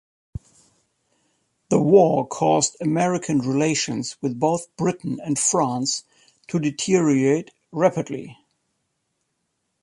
The war caused American relations with both Britain and France to deteriorate rapidly.